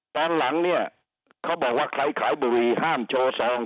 ตอนหลังเนี่ยเขาบอกว่าใครขายบุหรี่ห้ามโชว์ซอง